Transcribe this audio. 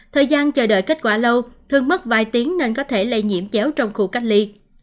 thời gian chờ đợi kết quả lâu thường mất vài tiếng nên có thể lây nhiễm chéo trong khu cách ly